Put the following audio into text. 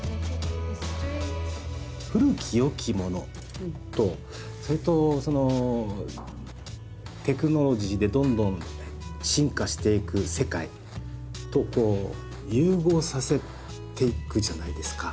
古き良きものとそれとそのテクノロジーでどんどん進化していく世界とこう融合させていくじゃないですか。